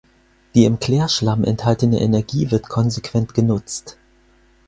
Die im Klärschlamm enthaltene Energie wird konsequent genutzt.